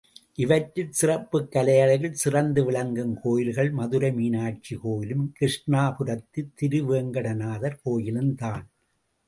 இவற்றில் சிற்பக் கலையழகில் சிறந்து விளங்கும் கோயில்கள் மதுரை மீனாட்சி கோயிலும், கிருஷ்ணாபுரத்து திருவேங்கட நாதர் கோயிலும்தான்.